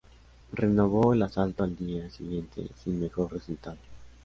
Renovó el asalto al día siguiente, sin mejor resultado.